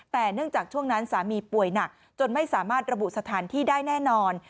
แต่เนื่องจากช่วงนั้นสามีป่วยหนักจนไม่สามารถระบุสถานที่ได้แน่นอน